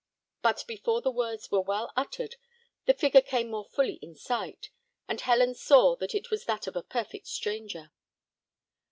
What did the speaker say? But before the words were well uttered, the figure came more fully in sight, and Helen saw that it was that of a perfect stranger.